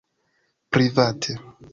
private